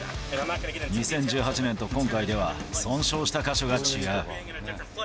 ２０１８年と今回では、損傷した箇所が違う。